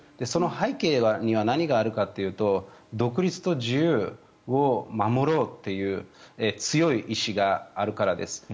その背景には何があるかというと独立と自由を守ろうという強い意思があるからです。